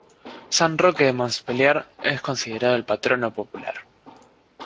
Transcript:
San Roque de Montpellier es considerado el patrono popular.